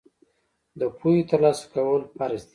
د پوهې ترلاسه کول فرض دي.